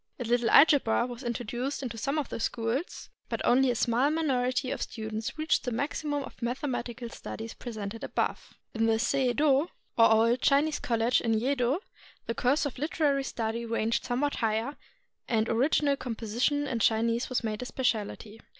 A little algebra was introduced into some of the schools, but only a small minority of students reached the maximum of mathematical studies presented above. In the Sei Do, or old Chinese college in Yedo, the course of literary study ranged somewhat higher, and original composition in Chinese was made a specialty.